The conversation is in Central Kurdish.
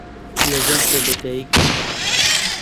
لە زاخۆ لەدایک بووم.